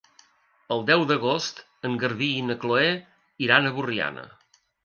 El deu d'agost en Garbí i na Chloé iran a Borriana.